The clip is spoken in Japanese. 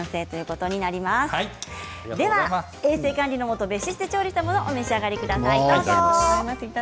では衛生管理のもと、別室で調理したものをお召し上がりください。